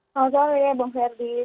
selamat sore bang ferdin